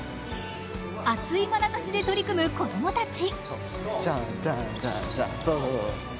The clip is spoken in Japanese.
熱いまなざしで取り組む子供たち。